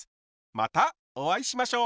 またお会いしましょう！